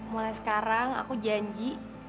mulai sekarang aku janji